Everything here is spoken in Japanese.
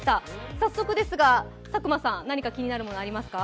早速ですが、佐久間さん、何か気になるものはありますか？